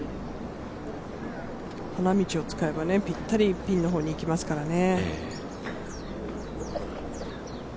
花道を使えばぴったりピンの方にいきますからね。